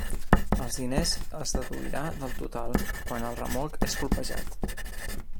Els diners es deduirà del total quan el remolc és colpejat.